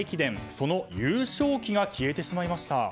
その優勝旗が消えてしまいました。